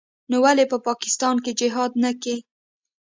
نو ولې په پاکستان کښې جهاد نه کيي.